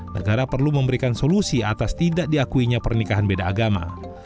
negara perlu memberikan solusi atas tidak diakuinya pernikahan beda agama